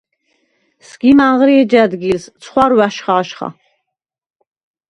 სგიმ ანღრი, ეჯ ა̈დგილს ცხვარვა̈შ ხაჟხა.